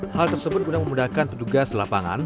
hal tersebut guna memudahkan petugas lapangan